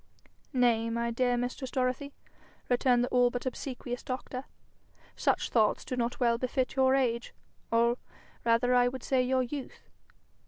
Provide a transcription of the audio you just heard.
'Nay, my dear mistress Dorothy!' returned the all but obsequious doctor; 'such thoughts do not well befit your age, or rather, I would say, your youth.